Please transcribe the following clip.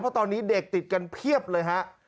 เพราะตอนนี้เด็กติดกันเพียบเลยฮะ